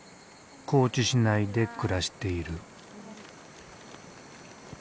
高知市内で暮らしている。